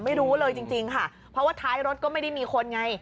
ไม่รู้เลยจริงค่ะเพราะว่าท้ายรถก็ไม่ได้มีคนไง